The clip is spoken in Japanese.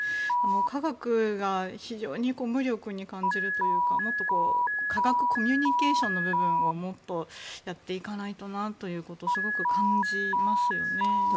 科学が非常に無力に感じるというかもっと科学コミュニケーションの部分をもっとやっていかないとなということをすごく感じますよね。